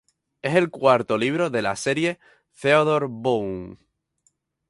Es el cuarto libro de la serie de "Theodore Boone".